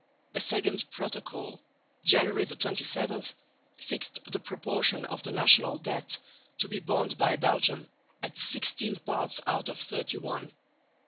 A second protocol (January 27) fixed the proportion of the national debt to be borne by Belgium at sixteen parts out of thirty one.